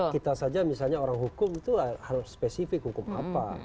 kita saja misalnya orang hukum itu harus spesifik hukum apa